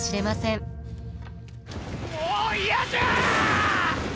もう嫌じゃあ！